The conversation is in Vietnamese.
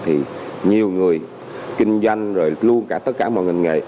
thì nhiều người kinh doanh rồi luôn cả tất cả mọi ngành nghề